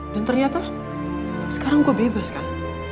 dan ternyata sekarang gue bebas kan